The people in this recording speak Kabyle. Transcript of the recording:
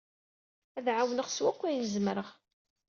Ad d-ɛawneɣ s wakk ayen zemreɣ.